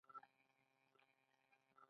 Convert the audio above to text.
آیا دوی واکسین او درمل نه جوړوي؟